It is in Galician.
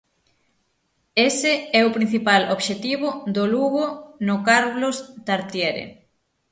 Ese é o principal obxectivo do Lugo no Carlos Tartiere.